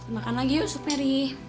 makan lagi yuk supnya ri